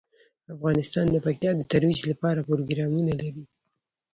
افغانستان د پکتیا د ترویج لپاره پروګرامونه لري.